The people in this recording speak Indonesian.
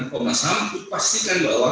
komas ham dipastikan bahwa